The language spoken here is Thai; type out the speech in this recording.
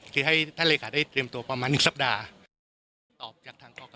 คือให้ท่านเลขาได้เตรียมตัวประมาณ๑สัปดาห์